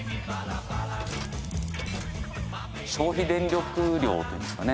消費電力量というんですかね